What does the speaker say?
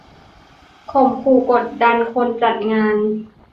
ข่มขู่กดดันคนจัดงาน